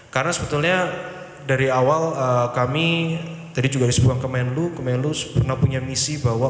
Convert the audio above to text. karena sebetulnya dari awal kami tadi juga disebutkan kemenlu kemenlu pernah punya misi bahwa